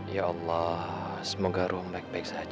ya allah semoga ruang baik baik saja